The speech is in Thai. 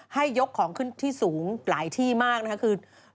ให้ยกของขึ้นที่สูงหลายที่มากนะคะคือ